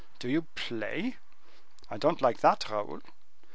"Do you play? I don't like that, Raoul."